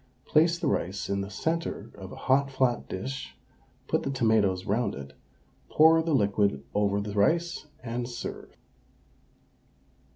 Place the rice in the centre of a hot flat dish, put the tomatoes round it, pour the liquid over the rice, and serve.